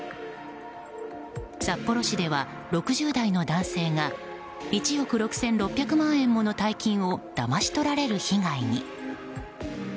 札幌市では６０代の男性が１億６６００万円もの大金をだまし取られる被害に。